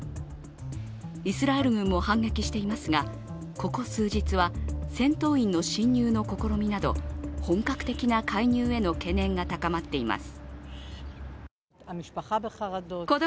イスラエル軍も反撃していますが、ここ数日は戦闘員の侵入の試みなど本格的な介入への懸念が高まっています。